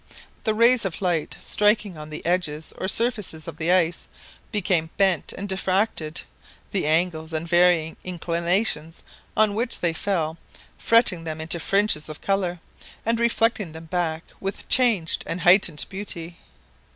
The rays of light, striking on the edges or surfaces of the ice, became bent and diffracted; the angles and varying inclinations on which they fell fretting them into fringes of colour, and reflecting them back with changed and heightened beauty.